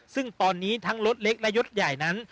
ซึ่งตอนนี้ทั้งรถเล็กและยศใหญ่นั้น